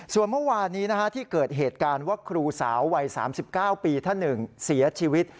ส่วนเมื่อวานนี้ที่เกิดเหตุการณ์ว่าครูสาววัย๓๙ปีท่านหนึ่งเสียชีวิต